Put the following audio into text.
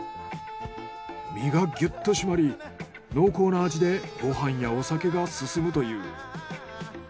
身がギュッと締まり濃厚な味でご飯やお酒が進むという。